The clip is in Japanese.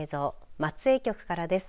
松江局からです。